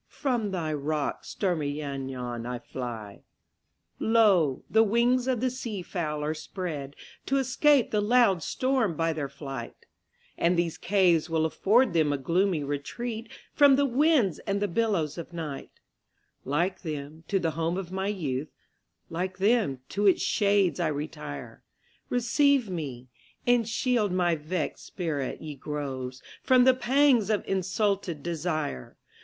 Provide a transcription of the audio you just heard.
From thy rocks, stormy Llannon, I fly. Lo! the wings of the sea fowl are spreadTo escape the loud storm by their flight; And these caves will afford them a gloomy retreatFrom the winds and the billows of night; Like them, to the home of my youth, Like them, to its shades I retire; Receive me, and shield my vexed spirit, ye groves, From the pangs of insulted desire!